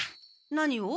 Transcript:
何を？